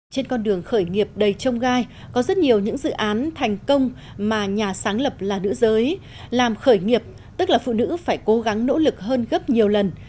trên con đường khởi nghiệp đầy trông gai có rất nhiều những dự án thành công mà nhà sáng lập là nữ giới làm khởi nghiệp tức là phụ nữ phải cố gắng nỗ lực hơn gấp nhiều lần